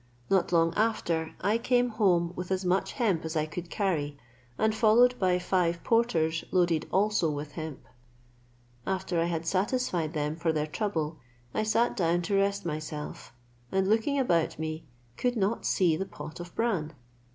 Not long after I came home with as much hemp as I could carry, and followed by five porters loaded also with hemp. After I had satisfied them for their trouble, I sat down to rest myself; and looking about me, could not see the pot of bran.